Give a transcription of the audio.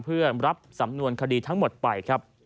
เพื่อรับสำนวนคดีทั้งหมดไปครับ